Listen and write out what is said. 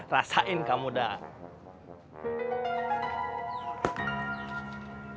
rasain kamu dah